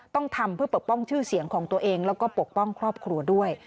ต้องทำเพื่อปกป้องชื่อเสียงของตัวเองแล้วก็ปกป้องครอบครัวด้วย